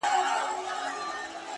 زما افغان ضمير له کاڼو جوړ گلي-